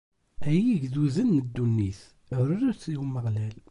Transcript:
Ay igduden n ddunit, rret i Umeɣlal.